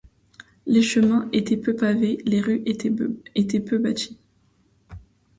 Les chemins étaient peu pavés, les rues étaient peu bâties.